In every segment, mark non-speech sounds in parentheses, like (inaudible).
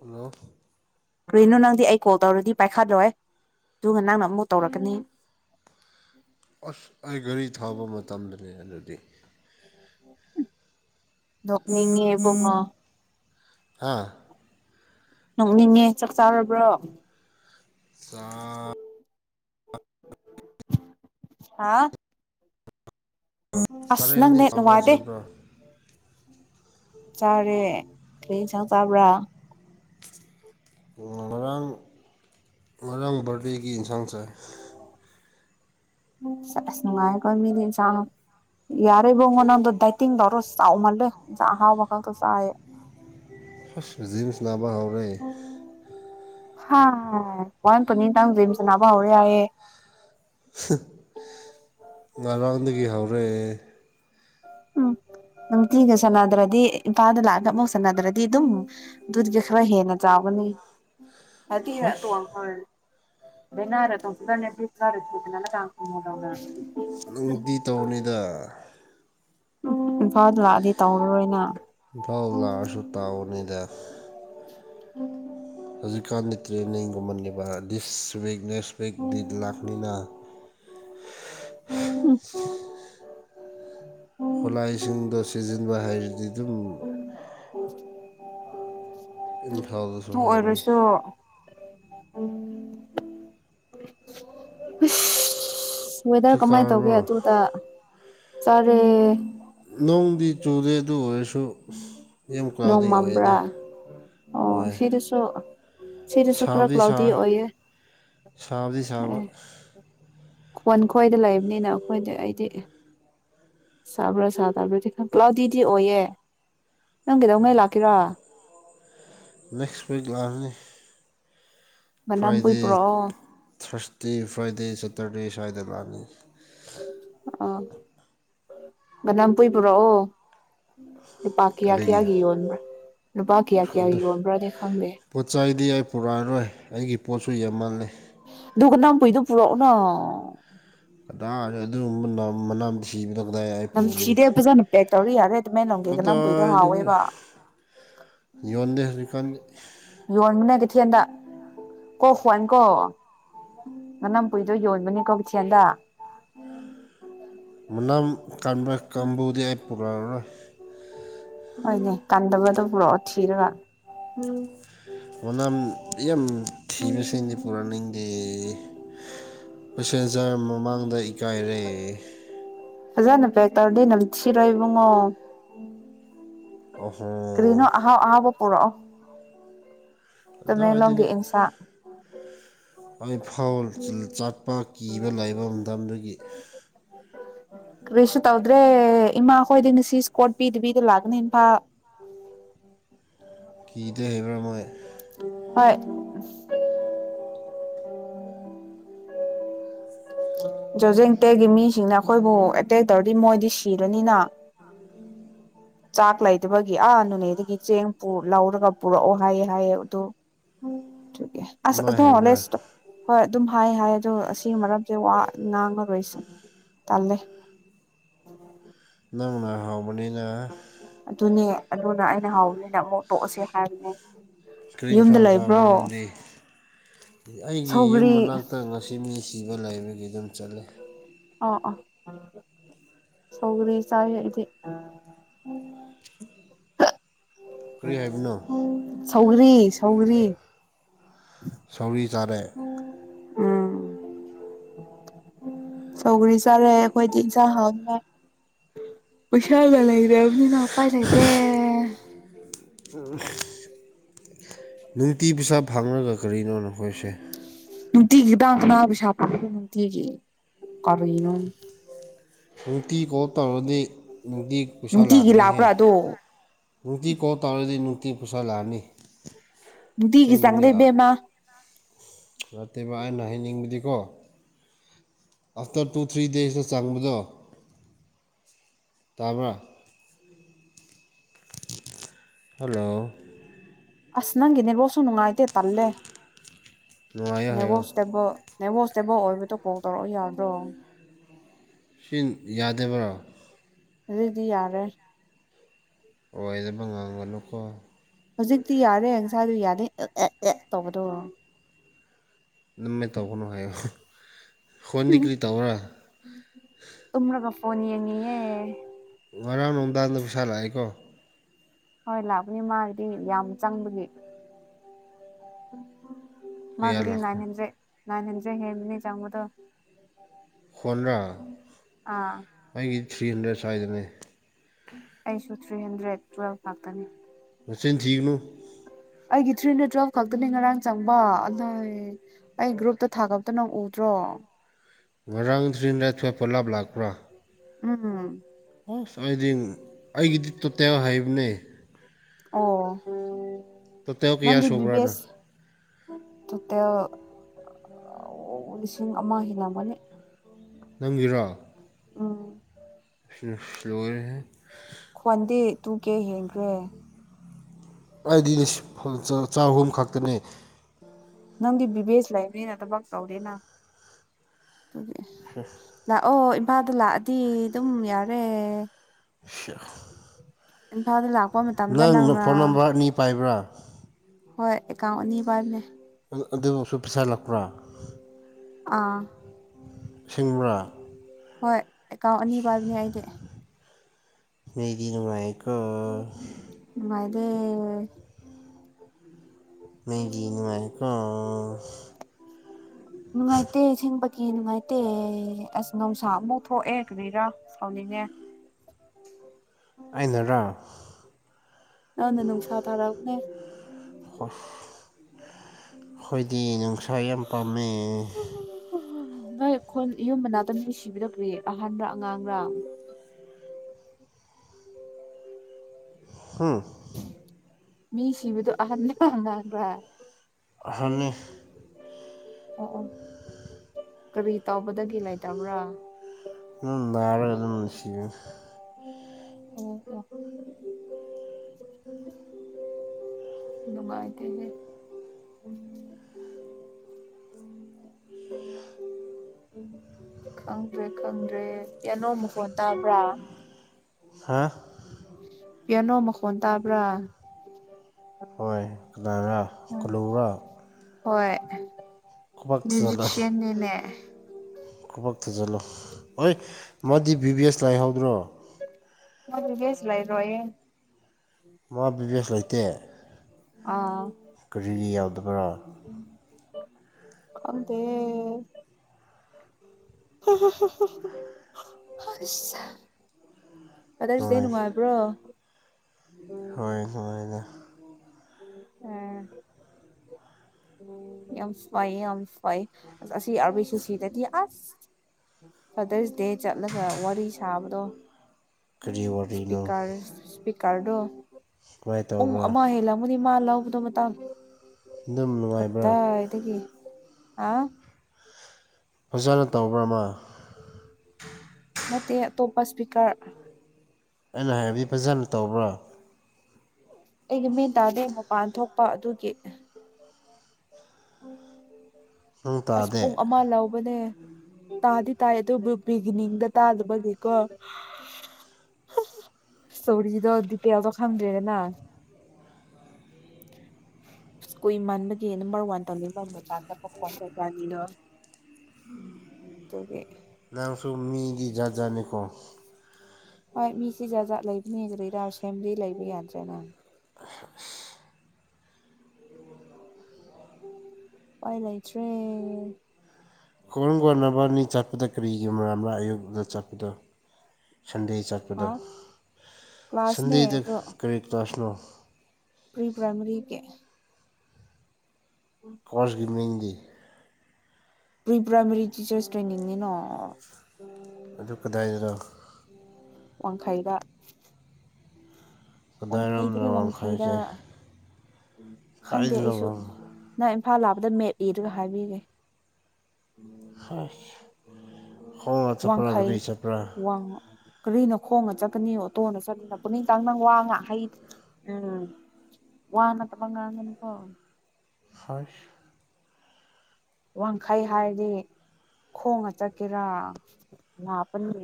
hello ꯀꯅꯣ ꯅꯪꯗꯤ ꯑꯩ ꯀꯣꯜ ꯇꯧꯔꯗꯤ ꯄꯥꯏꯈꯠꯂꯦ ꯑꯗꯨꯒ ꯅꯪꯅ ꯑꯃꯨꯐꯛ ꯇꯧꯔꯛꯀꯅꯤ ꯑꯁ ꯑꯩ ꯒꯥꯔꯤ ꯊꯥꯕ ꯃꯇꯝꯗꯅꯦ ꯑꯗꯨꯗꯤ ꯅꯉꯕ ꯃꯥ ꯍꯥꯥ ꯅꯣꯛꯅꯤꯡꯉꯦ ꯆꯥꯛ ꯆꯥꯔꯕ꯭ꯔꯣ ꯁꯥ ꯍꯥꯥ ꯑꯁ ꯆꯥꯔꯦ ꯅꯪꯗꯤ ꯅꯪꯅꯦ ꯆꯥꯕ꯭ꯔꯥ ꯅꯨꯡꯉꯥꯏꯇꯦ ꯆꯥꯕ꯭ꯔꯥ ꯆꯥꯔꯦ ꯀꯩ ꯌꯦꯟꯁꯥꯡ ꯆꯥꯕ꯭ꯔꯥ ꯉꯔꯥꯡ ꯉꯔꯥꯡ ꯕꯥꯔꯗꯦꯒꯤ ꯏꯟꯁꯥꯡ ꯆꯥꯏ ꯑꯁ ꯅꯨꯡꯉꯥꯏꯈꯣꯏ ꯃꯤꯅꯤ ꯏꯟꯁꯥꯡ ꯌꯥꯔꯦꯕꯣꯉ ꯅꯪꯗꯣ ꯗꯥꯏꯇꯤꯡꯗꯧꯔꯣ ꯆꯥꯎꯃꯜꯂꯦ ꯏꯟꯁꯥꯡ ꯑꯍꯥꯎꯕ ꯈꯛꯇ ꯆꯥꯏꯌꯦ ꯖꯤꯁꯅ ꯃꯍꯥꯎꯔꯩ ꯍꯥ ꯋꯥꯏ ꯄꯨꯟꯇꯪ ꯖꯤꯝꯁꯦ ꯅꯥꯕ ꯍꯧꯔꯦ ꯌꯥꯏ ꯉꯔꯥꯡꯗꯒꯤ ꯍꯧꯔꯛꯑꯦ ꯎꯝ ꯅꯨꯡꯇꯤꯒ ꯁꯥꯟꯅꯗ꯭ꯔꯗꯤ ꯏꯝꯐꯥꯜꯗ ꯂꯥꯛꯑꯒ ꯑꯃꯐꯨꯛ ꯁꯥꯟꯅꯗ꯭ꯔꯗꯤ ꯑꯗꯨꯝ ꯠꯒ ꯈꯔ ꯍꯦꯟꯅ ꯆꯥꯎꯒꯅꯤ ꯑꯗꯨ ꯇ ꯍꯁ ꯑꯈ ꯟꯅꯔ ꯊ ꯐꯁꯅ ꯇ ꯀꯥꯄꯣꯗ ꯅꯨꯡꯇꯤ ꯇꯧꯅꯤꯗ ꯎꯝ ꯏꯝꯐꯥꯜꯗ ꯂꯥꯛꯑꯗꯤ ꯇꯧꯔꯔꯣꯏꯅ ꯏꯝꯐꯥꯎꯜ ꯂꯥꯛꯑꯁꯨ ꯇꯥꯎꯕꯅꯤꯗ ꯎꯝ ꯍꯧꯖꯤꯛꯀꯥꯟ ꯂꯤ ꯇ꯭ꯔꯦꯅꯤꯡꯒꯨꯝ ꯃꯒꯤꯕ ꯗꯤꯁꯋ ꯅꯦꯁꯄꯦꯛꯦꯛ ꯗꯛ ꯂꯥꯛꯅꯤꯅ ꯑꯣ ꯈꯨꯠꯂꯥꯏꯁꯤꯡꯗꯣ ꯁꯤꯖꯤꯟꯕ ꯍꯥꯏꯔꯗꯤ ꯑꯗꯨꯝ ꯎ ꯏꯝꯐꯥꯜꯗꯁꯨ ꯍꯥꯎꯅꯩ ꯎꯝ ꯁꯋꯦꯗꯔ ꯆꯥꯛ ꯀꯃꯥꯏꯅ ꯇꯧꯒꯦ ꯆꯥꯔꯕꯣ ꯑꯗꯨꯗ ꯆꯔꯦ ꯅꯣꯡꯗꯤ ꯆꯨꯔꯔꯦ ꯋ ꯅꯣꯡꯃꯝꯕ꯭ꯔꯥ ꯑꯣ ꯍꯣꯏ ꯁꯤꯗꯨꯁꯨ ꯁꯥꯕꯗꯤ ꯁ ꯁꯥꯥꯕꯗꯤ ꯁꯥꯕ ꯑꯦ ꯈꯣꯟ ꯈꯣꯏꯗ ꯂꯩꯕꯅꯤꯅ ꯑꯩꯈꯣꯏꯗꯤ ꯑꯩꯗꯤ ꯆꯕ꯭ꯔꯥ ꯁꯥ ꯇꯕ꯭ꯔꯥꯗꯤ ꯈꯔ ꯭ꯀꯥꯎꯗꯤꯗꯤ ꯑꯣꯏꯌꯦ ꯅꯪꯗꯧ ꯃꯜ ꯍꯥꯛꯀꯤꯔꯥ (unintelligible) ꯋꯤꯛ ꯂꯥꯁꯅꯤ ꯃꯅꯥꯝ ꯄꯏ ꯄꯨ꯭ꯔꯣ ꯇꯤ ꯐ꯭ꯔꯥꯏꯗꯦ ꯁꯦꯇꯔꯗꯦ ꯁꯥꯏꯗꯕꯥꯅꯤ ꯑ ꯅꯝ ꯀꯨꯏ ꯄꯨꯔꯛꯑꯣ ꯅꯨꯄꯥ ꯀꯌꯥ ꯀꯔꯤꯒꯤ ꯀꯌꯥꯒꯤ ꯌꯣꯟꯕ꯭ꯔ ꯅꯨꯄꯥ ꯀꯌꯥ ꯑꯗꯨ ꯀꯌꯥꯒꯤ ꯌꯣꯟꯕ꯭ꯔꯥꯅ ꯈꯪꯗꯦ ꯄꯣꯠ ꯆꯩꯗꯤ ꯑꯩ ꯄꯨꯔꯛꯑꯔꯣꯏ ꯑꯩꯒꯤ ꯄꯣꯠꯁꯨ ꯌꯥꯝ ꯃꯥꯜꯂꯦ ꯗꯨꯀꯥꯟ ꯅꯝ ꯄꯨꯏꯗꯣ ꯄꯨꯔꯛꯅ ꯑꯗꯨꯒꯨꯝꯕꯥ ꯃꯅꯥ ꯁꯤꯕꯗ ꯅꯝ ꯁꯤꯗꯦꯕꯖꯅ ꯄꯦꯦ ꯇꯧꯔꯤ ꯍꯥꯏꯦ ꯄꯇꯥ ꯌꯗꯦ ꯀꯥꯟꯗ ꯀꯊꯦꯜꯗ ꯀꯣ ꯍꯣꯏꯅꯀꯣ ꯃꯅꯝ ꯀꯨꯏꯗꯣ ꯌꯣꯟꯕꯅꯤꯀꯣ ꯀꯊꯦꯜꯗ ꯅꯪ ꯀꯟꯕ ꯀꯕꯨꯗꯤ ꯑꯄꯨ ꯃꯔꯅ ꯍꯣꯏꯅꯦ ꯀꯟꯗꯕꯗꯣ ꯄꯨꯔꯛꯑꯣ ꯊꯤꯔꯒ ꯃꯅ ꯌꯥꯝ ꯊꯤꯕꯁꯤꯡꯗꯤ ꯄꯨꯔꯛꯅꯤꯡꯗꯦ ꯄꯦꯁꯦꯟꯖꯔ ꯃꯃꯥꯡꯗ ꯏꯀꯥꯏꯔꯦ ꯐꯖꯅ ꯄꯦꯛ ꯇꯧꯔꯗꯤ ꯅꯝ ꯊꯔꯣꯏ ꯏꯕꯨꯡꯉꯣ ꯀꯔꯤꯅꯣ ꯑꯣꯍꯣ ꯑꯍꯥꯎ ꯑꯍꯥꯎ ꯄꯨꯔꯛ ꯑꯗꯨꯋꯥꯏꯗꯒꯤ ꯏꯟꯁꯥꯡ ꯑꯩꯐꯥꯎ ꯆꯠꯄ ꯀꯤꯕ ꯂꯩꯕ ꯂꯝꯗꯨꯒꯤ ꯀꯔꯤꯁꯨ ꯇꯧꯗ꯭ꯔꯦ ꯏꯃꯥ ꯍꯣꯏꯗꯤ ꯉꯅꯨꯡꯁꯤ ꯏꯁꯀꯣꯠ ꯄꯤꯗꯕꯤꯗ ꯂꯥꯛꯀꯅꯤ ꯏꯝꯐꯥꯜ ꯀꯤꯗ ꯍꯩꯕ꯭ꯔꯥ ꯃꯣꯏ ꯍꯣꯏ ꯖꯣꯖꯦꯡ ꯇꯦꯛꯒꯤ ꯃꯤꯁꯤꯡꯅ ꯑꯩꯈꯣꯏꯕꯨ ꯑꯦꯇꯦꯛ ꯇꯧꯔꯗꯤ ꯃꯣꯏꯗꯤ ꯁꯤꯔꯅꯤꯅ ꯑ ꯆꯥꯛ ꯂꯩꯗꯕꯒꯤ ꯑꯥ ꯅꯣꯅꯦꯗꯒꯤ ꯆꯦꯡ ꯂꯧꯔꯒ ꯄꯨꯔꯛꯑꯣ ꯍꯥꯏꯌꯦ ꯍꯥꯏꯌꯦ ꯑꯗꯨ ꯑ ꯑꯗꯨꯃꯥꯏ ꯍꯥꯏꯕ꯭ꯔꯥ ꯑꯗꯨꯂꯦꯁ ꯇ ꯍꯣꯏ ꯑꯗꯨꯝ ꯍꯥꯏ ꯍꯥꯏ ꯑꯂꯗ‌ꯣ ꯑꯁꯤꯒꯤ ꯃꯔꯝꯁꯦ ꯋꯥ ꯉꯥꯡꯕ ꯂꯣꯏ ꯁꯨꯝ ꯇꯜꯂꯦ ꯅꯪꯅ ꯍꯥꯎꯕꯅꯤꯅ ꯑꯗꯨꯅꯦ ꯑꯗꯨꯅ ꯑꯩꯅ ꯍꯥꯎꯕꯅꯤꯅ ꯑꯃꯨꯛ ꯇꯣꯛꯑꯁꯦ ꯍꯥꯏꯕꯅꯦ ꯁ꯭ꯀ꯭ꯔꯤꯟ ꯌꯨꯝꯗ ꯁꯣꯟ ꯂꯩꯕ꯭ꯔꯣ ꯀꯥꯅꯗꯤ ꯑꯩꯒꯤ ꯌꯨꯝ ꯁꯧꯒ꯭ꯔꯤ ꯃꯅꯥꯛꯇ ꯉꯁꯤ ꯃꯤ ꯁꯤꯕ ꯂꯩꯕꯒꯤ ꯑꯗꯨꯝ ꯆꯠꯂꯦ ꯑ ꯑ ꯁꯧꯒꯔꯤ ꯆ ꯏꯗꯤ ꯀꯔꯤ ꯍꯥꯏꯕꯅꯣ ꯁꯧꯒꯔꯤ ꯁꯧꯒꯔꯤ ꯁ ꯆꯥꯔꯦ ꯎꯝ ꯆꯧꯒꯔꯤ ꯆꯥꯔꯛꯑꯦ ꯑꯩꯈꯣꯏꯗꯤ ꯏꯟꯁꯥꯡ ꯍꯥꯎꯗ ꯎꯩꯁꯥꯒ ꯂꯩꯗꯕꯅꯤ ꯄꯥꯏ ꯂꯩꯇ‌ꯦ ꯎꯝ ꯅꯨꯡꯇꯤ ꯄꯩꯁꯥꯞ ꯐꯥꯡꯉꯒ ꯀꯔꯤꯅꯣ ꯅ ꯑꯩꯈꯣꯏꯁꯦ ꯇꯤꯒꯗꯅ ꯁ ꯇꯤꯒ ꯀꯔꯅꯣ ꯅꯨꯡꯇꯤ ꯀꯣꯞ ꯇꯧꯔꯗꯤ ꯅꯨꯡꯇꯤ ꯄꯩꯁꯥ ꯅꯨꯡꯇꯤꯒꯤ ꯂꯥꯛꯀꯅꯤꯍꯦ ꯂꯥꯛꯄ꯭ꯔꯥ ꯑꯗꯣ ꯅꯨꯡꯇꯤ ꯀꯣ ꯇꯧꯔꯗꯤ ꯅꯨꯡꯇꯤ ꯄꯩꯁꯥ ꯂꯥꯛꯑꯅꯤ ꯅꯨꯡꯇꯤꯒꯤ ꯆꯦꯡꯕꯅꯦ ꯆꯪꯗꯦ ꯏꯕꯦꯝꯃ ꯅꯠꯇꯦꯕꯥ ꯑꯩꯅ ꯍꯩꯅꯤꯡꯕ ꯑꯗꯨꯒꯀꯣ ꯑꯥꯐꯇꯔ ꯇꯨ ꯊ꯭ꯔꯤ ꯗꯦꯖꯇ ꯆꯪꯕꯗꯣ ꯇꯥꯕ ꯍꯜꯂꯣ ꯑꯁ ꯅꯪꯒꯤꯅꯦꯕꯣꯁꯨ ꯅꯨꯡꯉꯥꯏꯇꯦ ꯇꯜꯂꯦ ꯅꯨꯡꯉꯥꯏꯌꯣ ꯍꯥꯏꯌꯣ ꯅꯉꯣꯁꯇꯕ ꯅꯦꯕꯣꯁꯇꯦꯕꯜ ꯑꯣꯏꯕꯗꯣ ꯀꯣꯜ ꯇꯧꯔꯛꯑꯣ ꯌꯥꯗ꯭ꯔꯣ ꯁꯤ ꯌꯥꯗꯕ꯭ꯔꯥ ꯋꯥꯔꯤꯗꯤ ꯌꯥꯔꯦ ꯍꯣꯏꯁꯕꯉꯥꯡꯒ ꯂꯨꯀꯣ ꯍꯧꯖꯤꯛꯇꯤ ꯌꯥꯔꯦ ꯏꯪꯁꯥꯗꯨ ꯌꯥꯅꯤ ꯑꯦ ꯑꯦ ꯇꯧꯕꯗꯣ ꯅꯝꯃꯦ ꯇꯧꯧꯕꯅꯨ ꯍꯥꯏꯌꯨ ꯍꯣꯟꯗꯤ ꯀ꯭ꯔꯤ ꯇꯧꯔ ꯐꯣꯟꯟ ꯌꯦꯡꯉꯤꯑꯦ ꯉꯔꯥꯡ ꯅꯣꯝꯗꯥꯖꯗ ꯄꯩꯁꯥ ꯂꯥꯛꯑꯦꯀꯣ ꯍꯣꯏ ꯂꯥꯛꯄꯅꯤ ꯃꯥꯒꯤꯗꯤ ꯌꯥꯝ ꯆꯪꯕꯒꯤ ꯎ ꯀꯌꯥ ꯃꯥꯒꯗꯤ ꯅꯥ ꯏꯟ ꯂꯥꯛꯄ꯭ꯔꯥ ꯍꯟꯗ꯭ꯔꯦꯠ ꯅꯅꯥꯟ ꯍꯟꯗ꯭ꯔꯦ ꯍꯦꯟꯕꯅꯤ ꯆꯉꯗꯣ ꯍꯣꯟꯗ꯭ꯔꯥ ꯑꯥ ꯑꯩꯒꯤ ꯊ꯭ꯔꯤ ꯍꯟꯗ꯭ꯔꯦꯠ ꯁ꯭ꯋꯥꯏꯗꯅꯦ ꯑꯩꯁꯨ ꯊ꯭ꯔꯤ ꯍꯟꯗ꯭ꯔꯦꯠ ꯇꯨꯋꯦꯜꯐ ꯈꯥꯛꯇꯅꯤ ꯅꯆꯅꯤ ꯊꯒꯅ ꯑꯩꯒꯤ ꯊ꯭ꯔꯤꯅ ꯇꯨꯋꯦꯜꯐ ꯈꯛꯇꯅꯤ ꯉꯔꯥꯡ ꯆꯪꯕ ꯑꯗꯨꯏ ꯑꯩ ꯒ꯭ꯔꯨꯞꯇ ꯊꯥꯒꯇꯅ ꯎꯗ꯭ꯔꯣ ꯉꯔꯥꯡ ꯔꯤꯗ ꯊ ꯄꯣꯂꯞꯕ꯭ꯂꯥꯛ (unintelligible) ꯎꯝ ꯑꯁ ꯍꯥꯏꯗꯤ ꯑꯩꯒꯤꯗꯤ ꯇꯣꯇꯦꯜ ꯍꯩꯕꯅꯦ ꯑꯣ ꯀꯌꯥ ꯅꯪꯗꯤ ꯕꯤ ꯕꯤ ꯁꯨꯕ꯭ꯔꯅ ꯑꯦꯁ ꯇꯣꯇꯦꯜ ꯂꯤꯁꯤꯡ ꯑꯃ ꯍꯤꯟꯅꯕꯅꯤ ꯅꯪꯒꯤꯔꯣ ꯑ ꯐ꯭ꯂꯣꯔꯦ ꯈ꯭ꯋꯥꯟꯗꯤ ꯇꯨ ꯀꯦ ꯌꯦꯦꯟꯈ꯭ꯔꯦ ꯑꯩꯗꯤ ꯆꯍꯨꯝ ꯈꯛꯇꯅꯦ ꯅꯪꯗꯤ ꯕꯤꯕꯦꯁ ꯂꯩꯥꯏꯕꯅꯤꯅ ꯊꯕꯛ ꯇꯧꯗꯦꯅ ꯂ ꯑꯣ ꯏꯄꯥꯥꯗ ꯂꯥꯛꯑꯗꯤ ꯑꯗꯨꯝ ꯌꯥꯔꯦ ꯑ ꯑꯦꯟ ꯐꯥꯎ ꯑꯗꯨ ꯂꯥꯛꯑꯣ ꯅꯪ ꯐꯣꯟ ꯅꯝꯕꯔ ꯑꯅꯤ ꯄꯥꯏꯕ꯭ꯔꯥ ꯍꯣꯏ ꯑꯦꯀꯥꯎꯟ ꯑꯅꯤ ꯄꯥꯏꯕꯅꯦ ꯑꯗꯨꯁꯨ ꯄꯩꯁꯥ ꯂꯥꯛꯄ꯭ꯔꯥ ꯑꯥ ꯁꯤꯡꯃꯔꯥ ꯍꯣꯏ ꯑꯦꯀꯥꯎꯟ ꯑꯅꯤ ꯄꯥꯏꯕꯅꯦ ꯑꯩꯗꯤ ꯃꯤꯗꯤ ꯅꯨꯡꯉꯥꯏꯔꯦ ꯋꯥꯚꯏ ꯍꯝ ꯃꯦꯒꯤꯅꯤꯅꯨꯡꯉꯀ ꯅꯨꯡꯉꯥꯏꯇꯦ ꯊꯦꯡ ꯀꯤ ꯅꯨꯡꯉꯥꯏꯇꯦ ꯑꯁ ꯅꯨꯡꯁꯥ ꯑꯃꯐꯥꯎ ꯊꯣꯛꯑꯦ ꯀꯔꯤꯔꯥ ꯁꯥꯎꯅꯤꯡꯉꯦ ꯑꯩꯅꯔꯣ ꯅꯪꯅ ꯅꯨꯡꯁꯥ ꯊꯥꯔꯛꯑꯕꯅꯦ ꯑꯩꯈꯣꯏꯗꯤ ꯅꯨꯡꯁꯥ ꯌꯥꯝ ꯄꯥꯝꯃꯦ ꯅꯣꯏ ꯑꯩꯈꯣꯏ ꯌꯨꯝ ꯃꯅꯥꯛꯇ ꯅꯨꯡ ꯁꯤꯕꯤꯔꯛ꯭ꯔꯤ ꯑꯍꯥꯟꯕꯥ ꯑꯉꯥꯡꯔꯥ ꯍꯥꯥ ꯃꯤ ꯁꯤꯕꯗꯣ ꯑꯍꯟꯥꯟꯕꯍꯟꯥꯟꯕ꯭ꯔ ꯍꯥꯏ ꯑꯣ ꯑꯣ ꯀꯔꯤ ꯇꯥꯎꯧꯕꯗꯒꯤ ꯂꯩꯇꯕ꯭ꯔꯥ ꯥꯔꯒꯩꯅ ꯃꯅꯤꯁꯤꯦ ꯑꯣ ꯅꯨꯡꯉꯥꯏꯇ (inaudible) ꯈꯪꯗ꯭ꯔꯦ ꯈꯪꯗ꯭ꯔꯦ (unintelligible) ꯇꯥꯕ꯭ꯔꯥ ꯍꯥꯥ ꯄꯤꯌꯥꯅꯣ ꯃꯈꯣꯟ ꯇꯥꯕ꯭ꯔꯥ ꯍꯣꯏ ꯀꯅꯥꯔ ꯎꯝ ꯀꯂꯨꯡꯔꯥ ꯍꯣꯏ ꯃ꯭ꯌꯨꯖꯤꯁꯤꯌꯟ ꯅꯤꯅꯦ ꯈꯨꯕꯛ ꯊꯖꯤꯜꯂꯣ ꯍꯣꯏ ꯃꯥꯗꯤ ꯕꯤ ꯕꯤ ꯑꯦꯁ ꯂꯥꯏꯍꯧꯗ꯭ꯔꯣ ꯃꯥ ꯕꯤꯕꯤ ꯑꯦꯁ ꯂꯩꯔꯣꯏꯌꯦ ꯃꯥ ꯕꯤ ꯕꯤ ꯑꯥ ꯀꯔꯤ ꯕꯥꯔ ꯈꯪꯗꯦ ꯐꯗꯔ꯭ꯁ ꯗꯦ ꯅꯨꯡꯉꯥꯏ ꯅꯨꯡꯉꯥꯏꯕ꯭ꯔꯣ ꯍꯣꯏ ꯅꯨꯉꯥꯏꯅꯥ ꯎꯝ ꯌꯥꯝ ꯐꯩ ꯌꯥꯝ ꯐꯩ ꯑꯁꯤ ꯑꯥꯔꯕꯤꯁꯤꯁꯤꯗꯗꯤ ꯑꯁ ꯐꯗꯔꯁ ꯗꯦ ꯆꯠꯂꯒ ꯋꯥꯔꯤ ꯁꯥꯕꯗꯣ ꯀꯔꯤ ꯋꯥꯔꯤꯅꯣ ꯁꯄ꯭ꯤꯀꯔ ꯏꯁꯄꯤꯀꯔꯗꯣ ꯀꯃꯥꯏꯅ ꯄꯨꯡ ꯇꯧꯕ꯭ꯔꯥ ꯑꯃ ꯍꯦꯂꯝꯒꯅꯤ ꯃꯥ ꯂꯧꯕꯗꯣ ꯃꯇꯥꯡ ꯑꯗꯨꯝ ꯅꯨꯡꯉꯥꯏꯕ꯭ꯔꯥ ꯀꯠꯗꯏꯗꯒꯤ ꯍꯥ ꯑꯣꯖꯥꯅ ꯇꯧꯕ꯭ꯔ ꯃꯥ ꯅꯠꯇꯦ ꯑꯇꯣꯞꯄ ꯏꯁꯄꯤꯀꯔ ꯑꯩꯅ ꯍꯥꯏꯕꯗꯤ ꯐꯖꯅ ꯇꯧꯕ꯭ꯔꯥ ꯑꯩꯒꯤ ꯃꯤꯟ ꯇꯥꯗꯦ ꯃꯄꯥꯟ ꯊꯣꯛꯄ ꯑꯗꯨꯒꯤ ꯅꯪ (unintelligible) ꯑꯁ ꯇꯥꯗꯦ ꯄꯨꯡ ꯑꯃ ꯂꯧꯕꯅꯦ ꯇꯥꯗꯤ ꯇꯥꯏ ꯑꯗꯨꯕꯨ ꯕꯤꯒꯤꯅꯤꯡꯗ ꯇꯥꯗꯕꯒꯤꯀꯣ ꯁꯣꯔꯤꯗꯣ ꯗꯤꯇꯦꯜꯗꯣ ꯈꯪꯗ꯭ꯔꯦꯗꯅ ꯀꯨꯏꯃꯟ ꯅꯝꯕꯔ ꯋꯥꯟ ꯇꯧꯅꯤꯡꯕ ꯃꯄ ꯆꯠꯄ ꯈꯣꯠ ꯀꯩ ꯀꯅꯤꯅꯣ ꯑꯗꯨꯒꯤ ꯅꯪꯁꯨꯨꯝ ꯃꯤꯗꯤ ꯖꯥꯠꯖꯥꯠꯅꯤꯀꯣ ꯍꯣꯏ ꯃꯤꯁꯤ ꯖꯥ ꯖꯥꯠ ꯂꯩꯕꯅꯦ (unintelligible) ꯂꯩꯕ ꯌꯥꯗ꯭ꯔꯦ ꯅꯪ ꯑꯁ ꯄꯥꯏ ꯂꯩꯇꯔꯦ ꯀꯣꯟ ꯀꯣꯟ ꯅꯕꯟꯅꯤ ꯆꯠ ꯄꯗ ꯀꯔꯤ ꯌꯨꯝꯔꯝꯕ ꯑꯌꯨꯛꯗ ꯆꯠꯄꯗꯣ ꯁꯟꯗꯦ ꯍꯥ ꯆꯠꯄꯗꯣ ꯀ꯭ꯂꯥꯁꯅꯦ ꯁꯟꯗꯦꯗ ꯑꯗꯣ ꯀꯔꯤ ꯀ꯭ꯂꯥꯁꯅꯣ ꯄ꯭ꯔꯤ ꯄ꯭ꯔꯥꯏꯃꯔꯤ ꯒꯤ ꯀꯣꯔꯁꯀꯤ ꯃꯤꯡꯗꯤ ꯄ꯭ꯔꯤ ꯄ꯭ꯔꯥꯏꯃꯔꯤ ꯇꯤꯆꯔꯁ ꯇ꯭ꯔꯦꯅꯤꯡꯅꯤꯅꯣ ꯑꯗꯨ ꯀꯗꯥꯏꯗꯔꯥ ꯋꯥꯡꯈꯩꯗ ꯀꯗꯥꯏꯔꯣꯝꯅꯣ ꯋꯥꯡꯈꯩꯗꯅꯦ ꯋꯥꯡꯈꯩꯁꯤ ꯈꯡꯗꯦ ꯑꯩꯁꯨ ꯅꯥꯏꯃ ꯐꯥ ꯂꯥꯄꯗ ꯃꯦꯞꯏꯗꯨꯒ ꯍꯥꯏꯕꯤꯒꯦ ꯈꯣꯡꯅꯥ ꯆꯠꯄꯔꯥ ꯒꯔꯤꯅꯥ ꯆꯇꯄꯔꯥ ꯀꯔꯤꯅꯣ ꯈꯣꯉꯅꯥ ꯆꯠꯀꯅꯤ ꯑꯣꯇꯣꯅ ꯆꯥꯅꯤꯉꯥꯀꯅꯤ ꯇꯥꯡꯅꯡ ꯋꯥꯉꯥ ꯍꯩ ꯎꯝ ꯋꯥꯅꯠꯕꯥ ꯉꯥꯡꯒꯅꯨ ꯀꯣ ꯍꯁ ꯋꯥꯡꯈꯩ ꯍꯥꯏꯔꯗꯤ ꯈꯣꯡꯅꯥ ꯆꯠꯀꯦꯔꯥ ꯂꯥꯞꯄꯅꯤ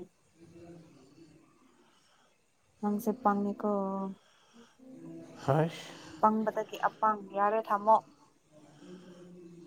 ꯅꯡꯁꯤ ꯄꯥꯡꯏꯀꯣ ꯍꯩꯁ ꯄꯝꯕꯗꯒꯤ ꯎꯄ ꯄꯥꯡ ꯌꯥꯔꯦ ꯊꯥꯝꯃꯣ (inaudible)